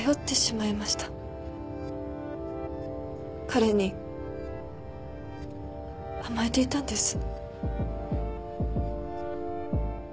彼に甘えていたんです。